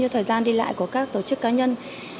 như thời gian đi lại của các tổ chức cá nhân